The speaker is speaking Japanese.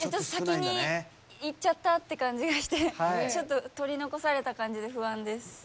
先に行っちゃったって感じがしてちょっと取り残された感じで不安です。